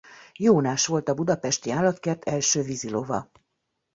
Jónás volt a Budapesti Állatkert első vízilova.